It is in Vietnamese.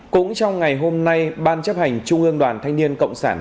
cũng trong ngày hôm nay ban chấp hành trung ương đoàn thanh niên cộng sản